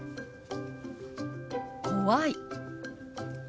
「怖い」。